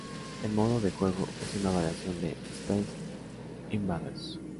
El modo de juego es una variación de "Space Invaders".